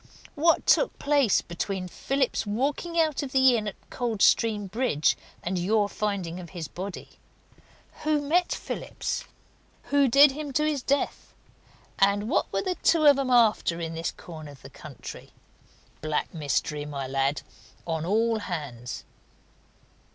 What took place between Phillips's walking out of that inn at Coldstream Bridge and your finding of his body? Who met Phillips? Who did him to his death? And what were the two of 'em after in this corner of the country? Black mystery, my lad, on all hands!"